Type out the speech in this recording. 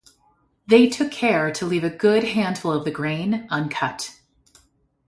They took care to leave a good handful of the grain uncut.